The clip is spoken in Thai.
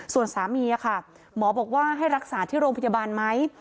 ส่วนสามีค่ะหมอบอกว่าให้รักษาที่โรงพยาบาลไหม